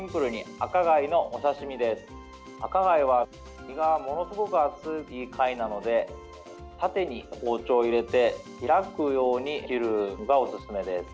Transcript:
赤貝は身がものすごく厚い貝なので、縦に包丁を入れて開くように切るのがおすすめです。